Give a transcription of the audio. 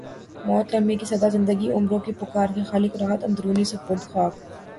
موت لمحے کی صدا زندگی عمروں کی پکار کے خالق راحت اندوری سپرد خاک